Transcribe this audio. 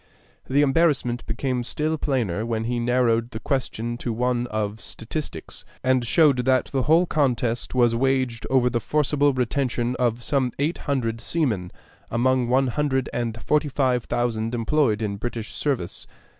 The embarrassment became still plainer when he narrowed the question to one of statistics, and showed that the whole contest was waged over the forcible retention of some eight hundred seamen among one hundred and forty five thousand employed in British service.